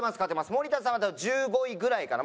森田さんは多分１５位ぐらいかな。